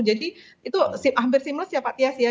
jadi itu hampir seamless ya pak tias ya